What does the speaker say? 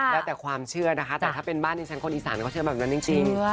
แล้วแต่ความเชื่อนะคะแต่ถ้าเป็นบ้านที่ฉันคนอีสานเขาเชื่อแบบนั้นจริง